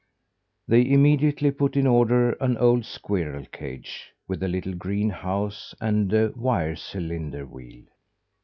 They immediately put in order an old squirrel cage with a little green house and a wire cylinder wheel.